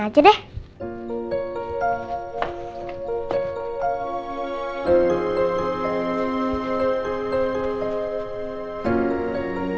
masa itu udah berakhir